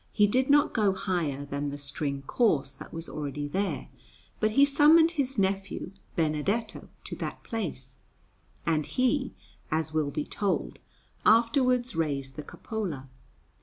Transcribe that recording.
He did not go higher than the string course that was there already; but he summoned his nephew Benedetto to that place, and he, as will be told, afterwards raised the cupola.